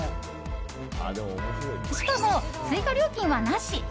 しかも、追加料金はなし。